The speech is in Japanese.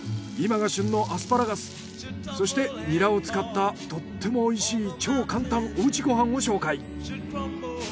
今が旬のアスパラガスそしてニラを使ったとってもおいしい超簡単お家ご飯を紹介。